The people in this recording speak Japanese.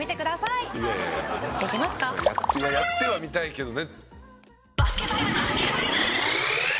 「いややってはみたいけどね」